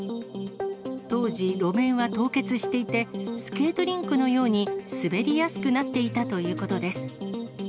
当時、路面は凍結していて、スケートリンクのように滑りやすくなっていたということです。